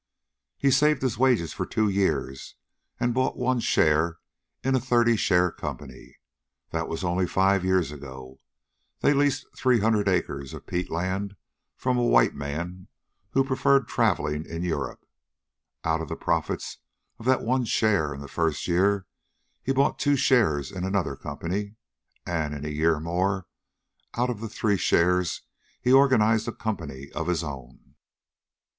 "He saved his wages for two years, and bought one share in a thirty share company. That was only five years ago. They leased three hundred acres of peat land from a white man who preferred traveling in Europe. Out of the profits of that one share in the first year, he bought two shares in another company. And in a year more, out of the three shares, he organized a company of his own.